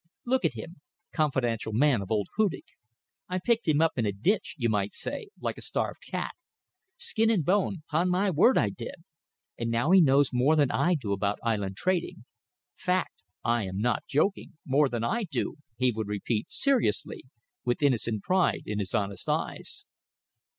Look at him. Confidential man of old Hudig. I picked him up in a ditch, you may say, like a starved cat. Skin and bone. 'Pon my word I did. And now he knows more than I do about island trading. Fact. I am not joking. More than I do," he would repeat, seriously, with innocent pride in his honest eyes.